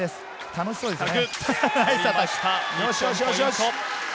楽しそうですね。